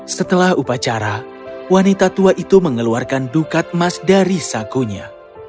setelah upacara wanita tua itu mengeluarkan dukat emas dari sakunya